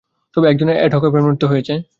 তবে এক জনের এডহক অ্যাপয়েন্টমেন্ট তো হয়েছে।